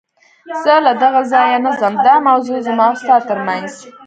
زه له دغه ځایه نه ځم، دا موضوع زما او ستا تر منځ.